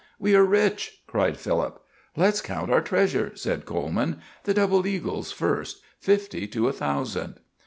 "We are rich!" cried Philip. "Let's count our treasure," said Coleman. "The double eagles first fifty to a thousand."